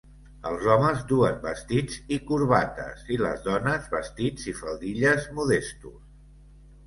Els homes duen vestits i corbates i les dones, vestits i faldilles modestos.